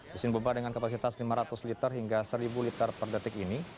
mesin pompa dengan kapasitas lima ratus liter hingga seribu liter per detik ini